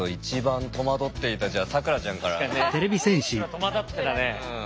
戸惑ってたね。